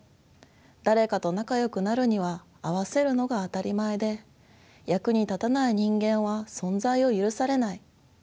誰かと仲よくなるには合わせるのが当たり前で役に立たない人間は存在を許されない。